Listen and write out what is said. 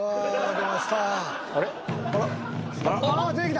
出て来た！